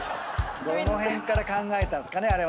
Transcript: どの辺から考えたんすかね？